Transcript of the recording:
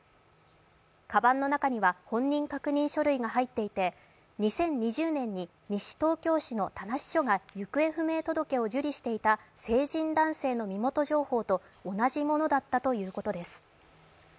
かばんの中には本人確認書類が入っていて、２０２０年に西東京市の田無署が行方不明届を受理していた成人男性の身元情報と同じものだったということです。